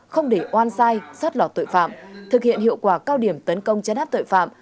không để oan sai sót lọt tội phạm thực hiện hiệu quả cao điểm tấn công chấn áp tội phạm